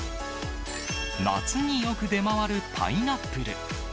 夏によく出回るパイナップル。